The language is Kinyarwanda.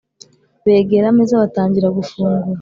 begera ameza batangira gufungura